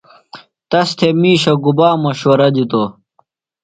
تس تھےۡ مِیشہ گُبا مشورہ دِتوۡ؟